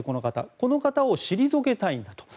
この方を退けたいんだと。